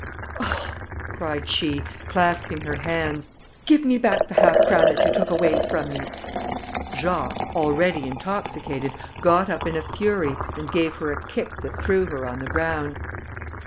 "Oh," cried she, clasping her hands, "give me back the half crown that you took away from me!" Jacques, already intoxicated, got up in a fury, and gave her a kick that threw her on the ground.